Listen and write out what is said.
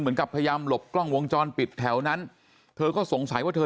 เหมือนกับพยายามหลบกล้องวงจรปิดแถวนั้นเธอก็สงสัยว่าเธอ